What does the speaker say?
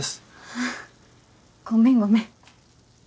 あっごめんごめん。